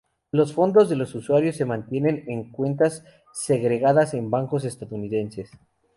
Los fondos de los usuarios se mantienen en cuentas segregadas en bancos estadounidenses.